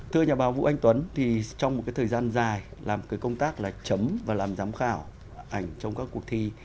thưa nhà báo vũ anh tuấn thì trong một cái thời gian dài làm cái công tác là chấm và làm giám khảo ảnh trong các cuộc thi